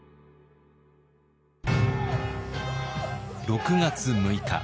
６月６日。